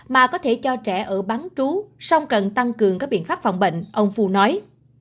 mà có thể cho trẻ ở bán trú song cần tăng cường các biện pháp phòng bệnh ông phu nói